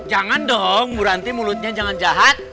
jangan dong bu ranti mulutnya jangan jahat